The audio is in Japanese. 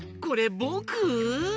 これぼく？